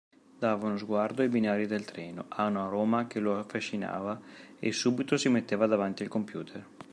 Dava uno sguardo ai binari del treno, a una Roma che lo affascinava, e subito si metteva davanti al computer.